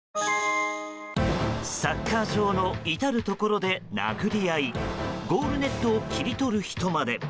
サッカー場の至るところで殴り合いゴールネットを切り取る人まで。